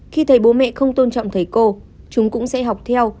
khi thấy bố mẹ không tôn trọng thầy cô chúng cũng sẽ học theo